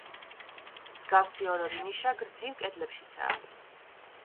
მსგავსი ორ-ორი ნიშა, გრძივ კედლებშიცაა.